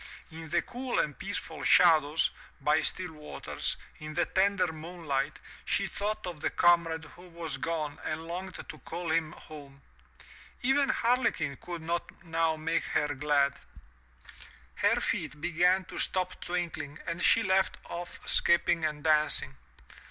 In the cool and peaceful shadows, by still waters, in the tender moonlight, she thought of the comrade who was gone and longed to call him home. Even Harlequin could not now make her glad. Her 360 THROUGH FAIRY HALLS feet began to stop twinkling and she left off skipping and dancing.